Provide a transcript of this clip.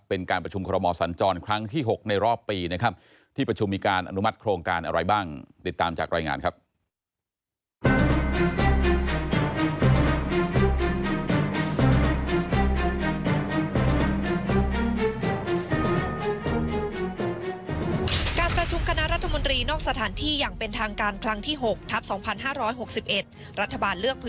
เป็นการประชุมคอรมอสรรจรครั้งที่หกในรอบปีนะครับที่ประชุมมีการอนุมัติโครงการอะไรบ้าง